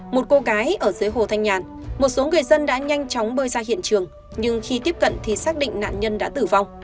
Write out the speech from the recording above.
một cô gái ở dưới hồ thanh nhàn một số người dân đã nhanh chóng bơi ra hiện trường nhưng khi tiếp cận thì xác định nạn nhân đã tử vong